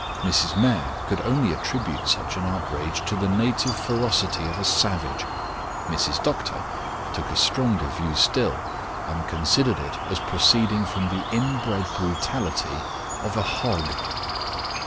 Mrs. Mayor could only attribute such an outrage to the native ferocity of a savage. Mrs. Doctor took a stronger view still, and considered it as proceeding from the inbred brutality of a hog.